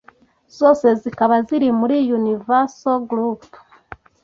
Zose zikaba ziri muri Universal Group